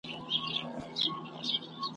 چي لري د ربابونو دوکانونه ,